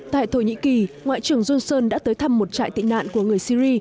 tại thổ nhĩ kỳ ngoại trưởng johnson đã tới thăm một trại tị nạn của người syri